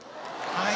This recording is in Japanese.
はい！